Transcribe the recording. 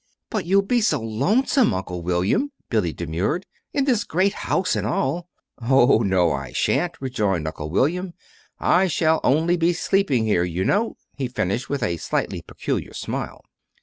"But you'll be so lonesome, Uncle William," Billy demurred, "in this great house all alone!" "Oh, no, I sha'n't," rejoined Uncle William. "I shall only be sleeping here, you know," he finished, with a slightly peculiar smile.